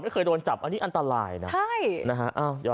เคยโดนจับอันนี้อันตรายนะ